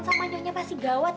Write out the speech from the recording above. sampah belum dibuang ayah